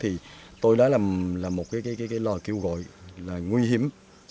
thì tôi đã làm một cái lời kêu gọi là nguy hiểm